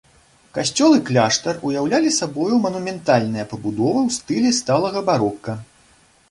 Касцёл і кляштар уяўлялі сабою манументальныя пабудовы ў стылі сталага барока.